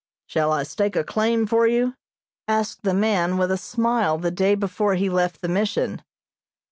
"Shall I stake a claim for you?" asked the man with a smile the day before he left the Mission.